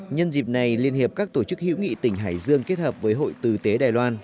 nhân dịp này liên hiệp các tổ chức hữu nghị tỉnh hải dương kết hợp với hội tư tế đài loan